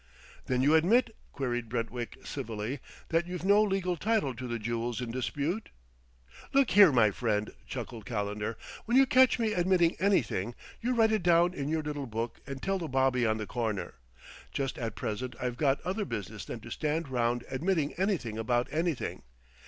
"Then you admit," queried Brentwick civilly, "that you've no legal title to the jewels in dispute?" "Look here, my friend," chuckled Calendar, "when you catch me admitting anything, you write it down in your little book and tell the bobby on the corner. Just at present I've got other business than to stand round admitting anything about anything....